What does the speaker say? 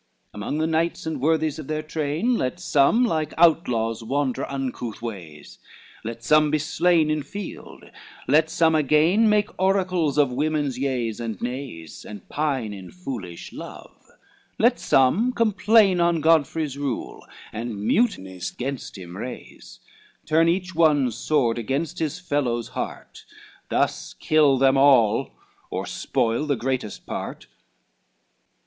XVII "Among the knights and worthies of their train, Let some like outlaws wander uncouth ways, Let some be slain in field, let some again Make oracles of women's yeas and nays, And pine in foolish love, let some complain On Godfrey's rule, and mutinies gainst him raise, Turn each one's sword against his fellow's heart, Thus kill them all or spoil the greatest part."